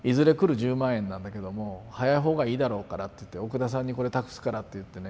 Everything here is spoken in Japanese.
１０万円なんだけども早い方がいいだろうからっていって奥田さんにこれ託すからっていってね